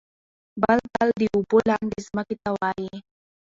بل تل د اوبو لاندې ځمکې ته وايي.